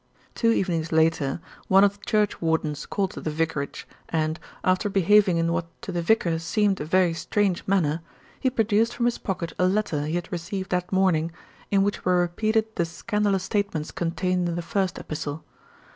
Two evenings later, one of the churchwardens called at the vicarage and, after behaving in what to the vicar seemed a very strange manner, he produced from his pocket a letter he had received that morning, in which were repeated the scandalous statements contained in the first epistle.